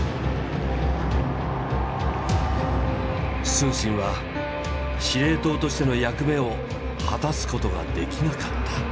承信は司令塔としての役目を果たすことができなかった。